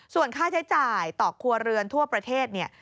ส่วนค่าใช้จ่ายต่อครัวเรือนทั่วประเทศเนี่ย